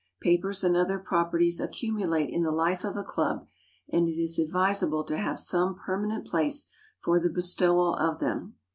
Papers and other properties accumulate in the life of a club, and it is advisable to have some permanent place for the bestowal of them.